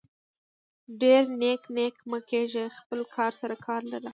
ډير نيکه نيکه مه کيږه خپل کار سره کار لره.